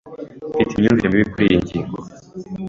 Mfite imyumvire mibi kuriyi ngingo.